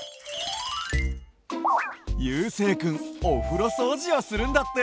ゆうせいくんおふろそうじをするんだって。